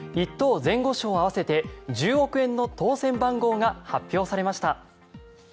・前後賞合わせて１０億円の当選番号が発表されました。